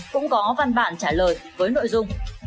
cũng có văn bản trả lời với nội dung